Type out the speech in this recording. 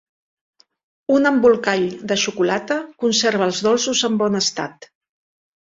Un embolcall de xocolata conserva els dolços en bon estat.